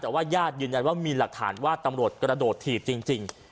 แต่ว่าญาติยืนยันว่ามีหลักฐานว่าตำรวจกระโดดถีบจริง